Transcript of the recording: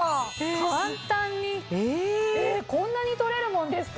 簡単にこんなに取れるもんですか？